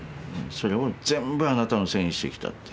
それを全部あなたのせいにしてきたって。